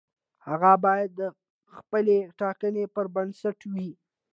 هغه باید د خپلې ټاکنې پر بنسټ وي.